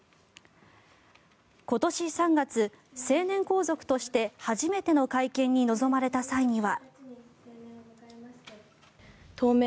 今年３月、成年皇族として初めての会見に臨まれた際には。